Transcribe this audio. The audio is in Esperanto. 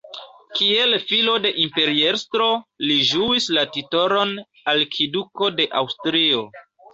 Kiel filo de imperiestro, li ĝuis la titolon "Arkiduko de Aŭstrio".